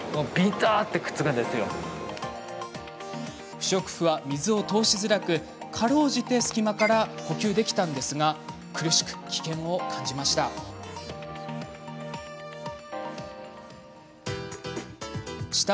不織布は水を通しづらくかろうじて隙間から呼吸できたんですが苦しく、危険を感じました。